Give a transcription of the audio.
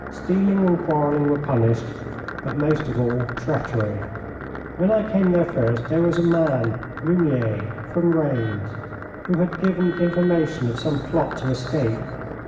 Stealing and quarrelling were punished but most of all treachery. When I came there first there was a man, Meunier, from Rheims, who had given information of some plot to escape.